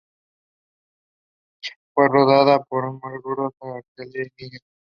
Fue rodada en Marruecos, Argelia, y Niger.